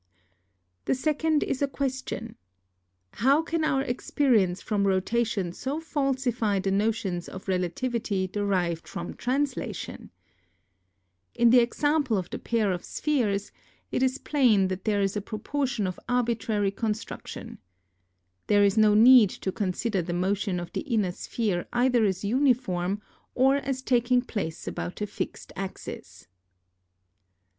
The second is a question : How can our experience from rotation so falsify the notions of relativity derived from translation ? In the example of the pair of spheres, it is plain that there is a proportion of arbitrary con struction. There is no need to consider the motion of the inner sphere either as uniform or as taking place about a fixed axis.